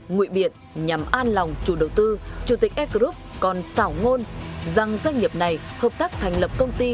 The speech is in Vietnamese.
nguyễn biệt nhằm an lòng chủ đầu tư chủ tịch s group còn xảo ngôn rằng doanh nghiệp này hợp tác thành lập công ty